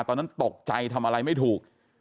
ตอนนั้นตกใจทำอะไรไม่ถูก